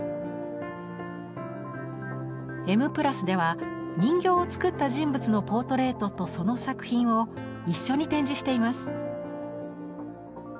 「Ｍ＋」では人形を作った人物のポートレートとその作品を一緒に展示しています。